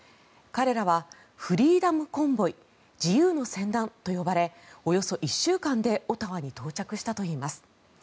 彼らはフリーダム・コンボイ自由の船団と呼ばれおよそ１週間でオタワに到着したといいます。